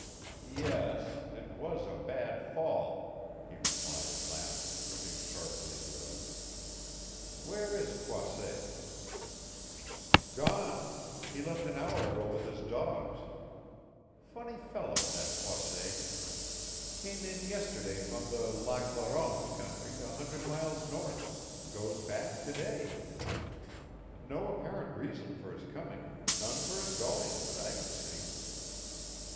"Yes it was a bad fall," he replied at last, looking sharply at the other. "Where is Croisset?" "Gone. He left an hour ago with his dogs. Funny fellow that Croisset! Came in yesterday from the Lac la Ronge country a hundred miles north; goes back to day. No apparent reason for his coming, none for his going, that I can see."